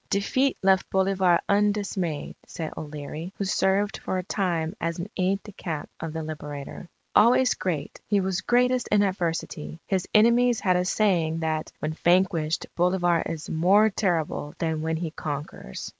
"'Defeat left Bolivar undismayed,' said O'Leary, who served for a time as an aide de camp of the Liberator. 'Always great, he was greatest in adversity. His enemies had a saying that "when vanquished Bolivar is more terrible than when he conquers."